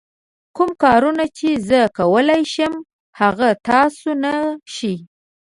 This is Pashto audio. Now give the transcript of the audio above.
کوم کارونه چې زه کولای شم هغه تاسو نه شئ.